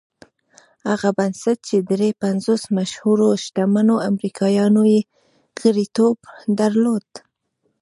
هغه بنسټ چې دري پنځوس مشهورو شتمنو امريکايانو يې غړيتوب درلود.